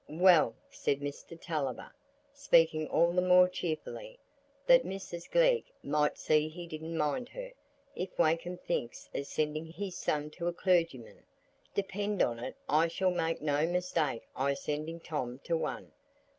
"Well," said Mr Tulliver, speaking all the more cheerfully, that Mrs Glegg might see he didn't mind her, "if Wakem thinks o' sending his son to a clergyman, depend on it I shall make no mistake i' sending Tom to one.